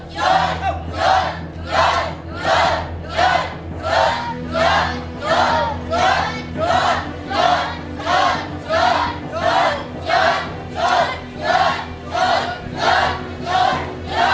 หยุด